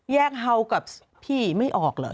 เฮากับพี่ไม่ออกเหรอ